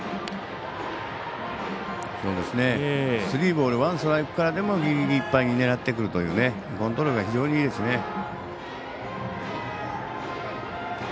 スリーボールワンストライクからでもギリギリいっぱいに狙ってくるというコントロールが非常にいいですね。